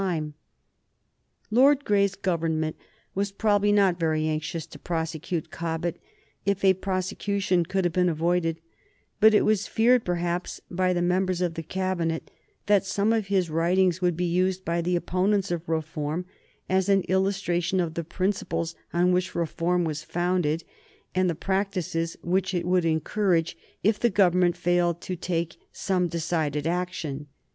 [Sidenote: 1831 The prosecution of Cobbett] Lord Grey's Government was probably not very anxious to prosecute Cobbett, if a prosecution could have been avoided, but it was feared, perhaps, by the members of the Cabinet that some of his writings would be used by the opponents of reform as an illustration of the principles on which reform was founded, and the practices which it would encourage if the Government failed to take some decided action.